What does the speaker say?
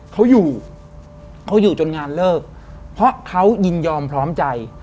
เขาอยู่เขาอยู่จนงานเลิกเพราะเขายินยอมพร้อมใจ